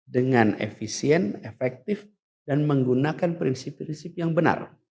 dengan efisien efektif dan menggunakan prinsip prinsip yang benar